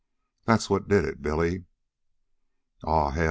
"That's what did it, Billy." "Aw hell!